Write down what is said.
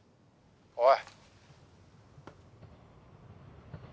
おい。